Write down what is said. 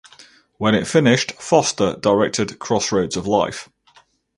When it finished Foster directed "Crossroads of Life".